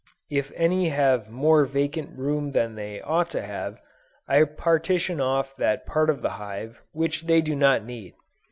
If any have more vacant room than they ought to have, I partition off that part of the hive which they do not need.